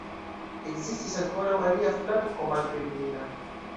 Ekzistis ankoraŭ alia flanko, malpli brila.